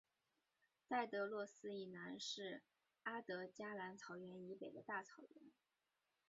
戴德洛斯以南是阿德加蓝草原以北的大草原。